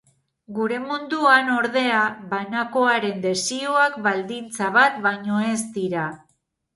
Gure munduan, ordea, banakoaren desioak baldintza bat baino ez dira.